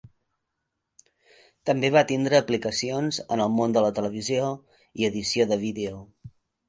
També va tindre aplicacions en el món de la televisió i edició de vídeo.